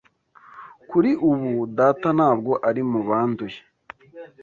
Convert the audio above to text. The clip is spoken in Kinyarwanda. Kuri ubu data ntabwo ari mubanduye.